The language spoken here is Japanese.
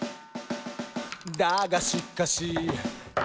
「だがしかし」